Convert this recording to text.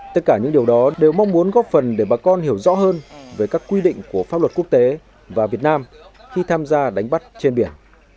tất cả những điều đó đều mong muốn góp phần để bà con hiểu rõ hơn về các quy định của pháp luật quốc tế và việt nam khi tham gia đánh bắt trên biển